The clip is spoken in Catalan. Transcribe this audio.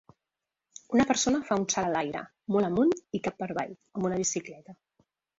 Una persona fa un salt a l'aire, molt amunt i cap per avall, amb una bicicleta.